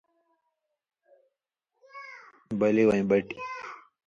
بلی وَیں بَٹیۡ